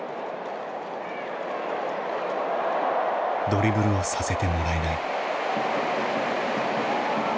ドリブルをさせてもらえない。